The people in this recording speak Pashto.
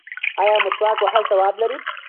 ایا مسواک وهل ثواب لري؟